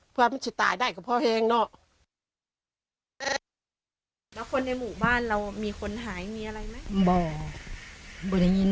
เพื่อมีเพื่อนหายอะไรไหม